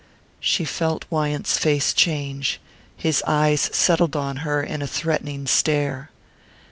She felt Wyant's face change: his eyes settled on her in a threatening stare.